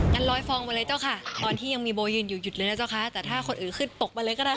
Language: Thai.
กัน๑๐๐ฟองบริเวณไปเลยเจ้าค้า